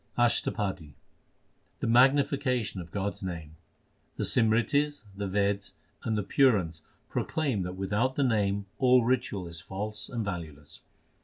ASHTAPADI The magnification of God s name : The Simritis, the Veds, and the Purans proclaim That without the Name all ritual is false and valueless.